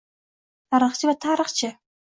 Tarixchi va «tarixchi»